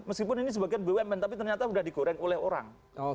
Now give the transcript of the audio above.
meskipun ini sebagian bumn tapi ternyata sudah digoreng oleh orang